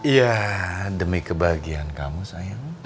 ya demi kebahagiaan kamu sayang